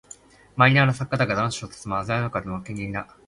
マイナーな作家だが、どの小説も味わい深くてお気に入りだ